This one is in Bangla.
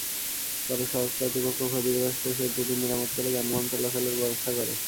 পরে সওজ কর্তৃপক্ষ ক্ষতিগ্রস্ত সেতুটি মেরামত করে যানবাহন চলাচলের ব্যবস্থা করে।